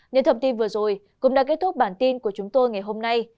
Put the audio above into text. những thông tin vừa rồi cũng đã kết thúc bản tin của chúng tôi ngày hôm nay